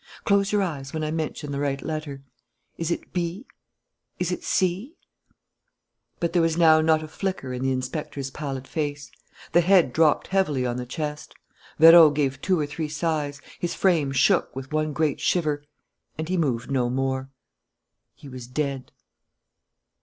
Close your eyes when I mention the right letter. Is it 'b?' Is it 'c?'" But there was now not a flicker in the inspector's pallid face. The head dropped heavily on the chest. Vérot gave two or three sighs, his frame shook with one great shiver, and he moved no more. He was dead.